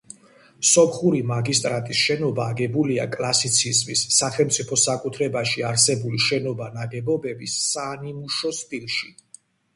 სომხური მაგისტრატის შენობა აგებულია კლასიციზმის, სახელმწიფო საკუთრებაში არსებული შენობა-ნაგებობების „სანიმუშო სტილში“.